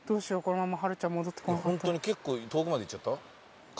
いやホントに結構遠くまで行っちゃった？